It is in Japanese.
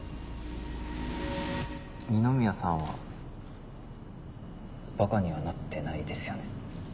二宮さんはバカにはなってないですよね？